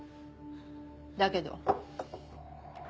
だけど。